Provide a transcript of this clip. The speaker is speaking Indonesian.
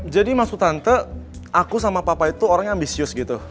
jadi maksud tante aku sama papa itu orang yang ambisius gitu